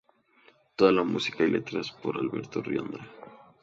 Toda la música y letras por: Alberto Rionda.